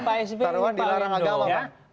taruhan di luar ramadhan